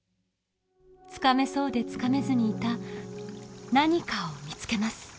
つかめそうでつかめずにいた何かを見つけます。